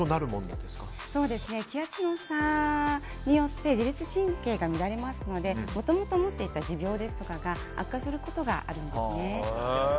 気圧の差によって自律神経が乱れますのでもともと持っていた持病などが悪化することがあるんですね。